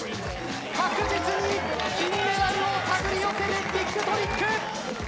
確実に金メダルを手繰り寄せるティックトリック！